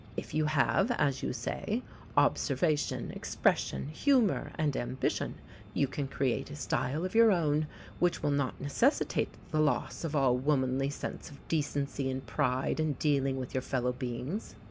If you have, as you say, observation, expression, humour, and ambition, you can create a style of your own: which will not necessitate the loss of all womanly sense of decency and pride in dealing with your fellow beings.